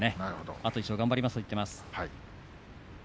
あと１勝頑張りますと言っています。